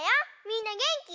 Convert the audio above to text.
みんなげんき？